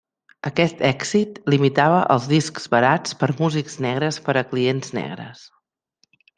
Aquest èxit es limitava als discs barats per músics negres per a clients negres.